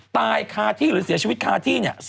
ตายคาที่หรือเสียชีวิตคาที่เนี่ย